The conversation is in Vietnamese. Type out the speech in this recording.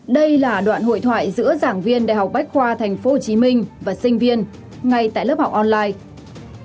đây là đoạn hội thoại giữa giảng viên đại học bách khoa tp hcm và sinh viên ngay tại lớp học online